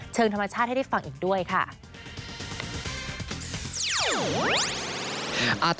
ธรรมชาติให้ได้ฟังอีกด้วยค่ะ